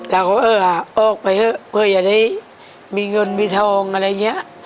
แล้วก็เอาออกไปเถอะเพื่ออย่าได้มีเงินมีทองอะไรเงี้ย